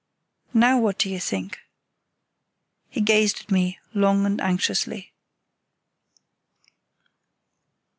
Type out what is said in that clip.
Now what do you think?" He gazed at me long and anxiously.